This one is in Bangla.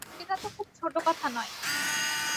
সেটা তো খুব ছোটো কথা নয়।